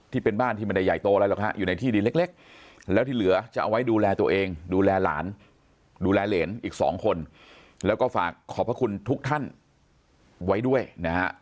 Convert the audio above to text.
ที่เป็นบ้านที่ไม่ได้ใหญ่โตอะไรหรอกฮะอยู่ในที่ดินเล็กแล้วที่เหลือจะเอาไว้ดูแลตัวเองดูแลหลานดูแลเหรนอีกสองคนแล้วก็ฝากขอบพระคุณทุกท่านไว้ด้วยนะฮะ